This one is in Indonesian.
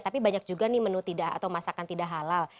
tapi banyak juga nih menu atau masakan tidak halal